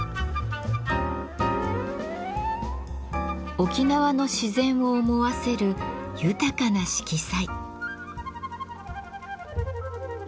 沖縄の自然を思わせる豊かな色彩。